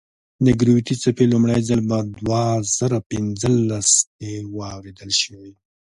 د ګرویتي څپې لومړی ځل په دوه زره پنځلس کې واورېدل شوې.